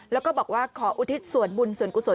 แล้วก็บอกว่าขออุทิศส่วนบุญส่วนกุศล